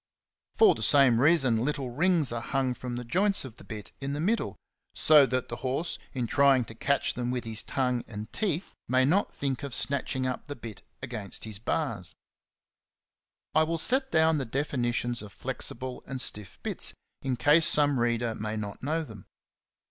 For the same reason little rings are hung from the joints of the bit in the middle, so that the horse, in trying to catch them with his tongue and teeth, may 58 XENOPHON ON HORSEMANSHIP. not think of snatching up the bit against his bars.54 I will set down the definitions of flexible and stiff bits, in case some reader may not know them.